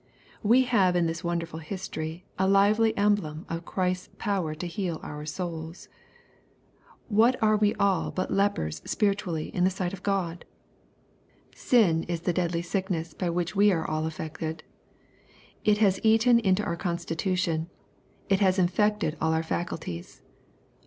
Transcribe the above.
We have in this wonderful history a lively emblem of Christ's power to heal our souls. What are we all but lepers spiritually in the sight of God ? Sin is the deadly sickness by which we are all affected. It has eaten into our constitution. It has infected £tll our faculties.